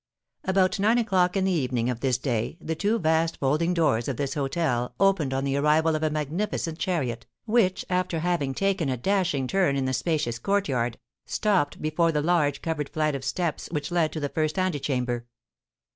About nine o'clock in the evening of this day the two vast folding doors of this hôtel opened on the arrival of a magnificent chariot, which, after having taken a dashing turn in the spacious courtyard, stopped before the large covered flight of steps which led to the first antechamber.